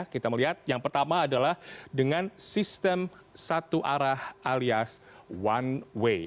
kita melihat yang pertama adalah dengan sistem satu arah alias one way